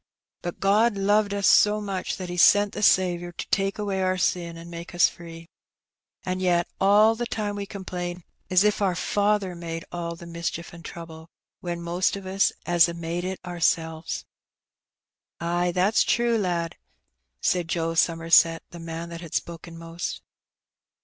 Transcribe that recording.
But God loved us so much that He sent the Saviour to take away our sin an' make us free. An' yet all the time we complain as if our Father made all the mischief an' trouble, when most o' us 'as a made it oursels." ''Ay, that's true, lad," said Dick Somerset, the man that had spoken most.